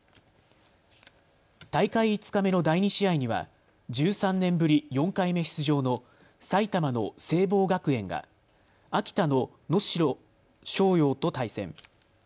大会５日目の第２試合には１３年ぶり４回目出場の埼玉の聖望学園が秋田の能代松陽と対戦。